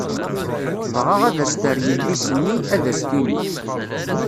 Dɣa ad as-terr yelli-s-nni, ad as-tini.